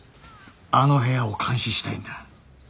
あの部屋を監視したいんだ。